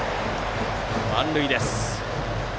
満塁です。